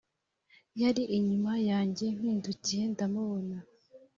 yari inyuma yanjye mindukiye ndamubona.